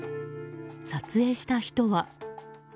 撮影した人は。